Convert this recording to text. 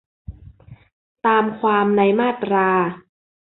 ตามความในมาตรา